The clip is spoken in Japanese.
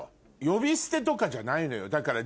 呼び捨てとかじゃないのよだから。